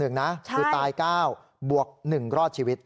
คือตาย๙บวก๑รอดชีวิต